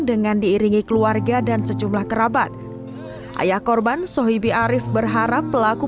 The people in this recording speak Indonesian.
dengan diiringi keluarga dan sejumlah kerabat ayah korban sohibi arief berharap pelaku